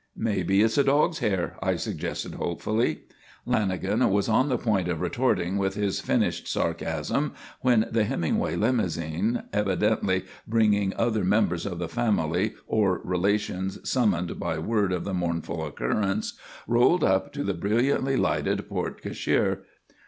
"Maybe it's a dog's hair," I suggested hopefully. Lanagan was on the point of retorting with his finished sarcasm when the Hemingway limousine, evidently bringing other members of the family or relations summoned by word of the mournful occurrence, rolled up to the brilliantly lighted porte cochère.